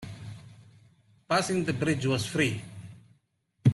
Passing the bridge was free.